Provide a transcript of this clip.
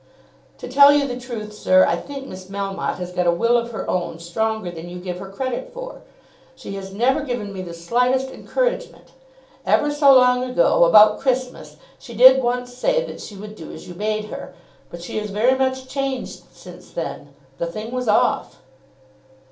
"To tell you the truth, sir, I think Miss Melmotte has got a will of her own stronger than you give her credit for. She has never given me the slightest encouragement. Ever so long ago, about Christmas, she did once say that she would do as you bade her. But she is very much changed since then. The thing was off."